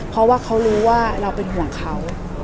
เพราะว่าเขารู้ว่าเราเป็นห่วงเขา